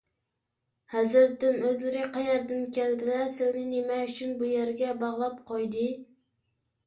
ھەزرىتىم، ئۆزلىرى قەيەردىن كەلدىلە؟ سىلىنى نېمە ئۈچۈن بۇ يەرگە باغلاپ قويدى؟